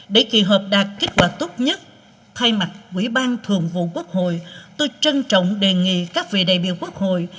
để kỳ họp đạt kết quả tốt nhất thay mặt quỹ ban thường vụ quốc hội tôi trân trọng đề nghị các vị đại biểu quốc hội